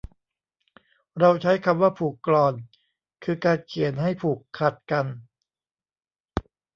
เราใช้คำว่าผูกกลอน คือการเขียนให้ผูกขัดกัน